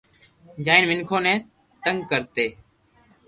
جائين مينکون ني تيگ ڪرتي